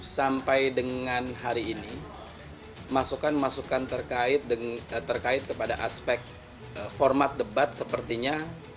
sampai dengan hari ini masukan masukan terkait kepada aspek format debat sepertinya